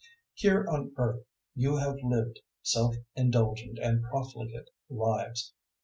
005:005 Here on earth you have lived self indulgent and profligate lives.